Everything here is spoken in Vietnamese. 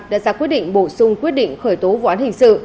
đã ra quyết định bổ sung quyết định khởi tố vụ án hình sự